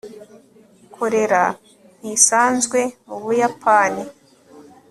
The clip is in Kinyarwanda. cholera ntisanzwe mu buyapani